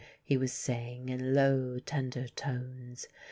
he was saying in low, tender tones.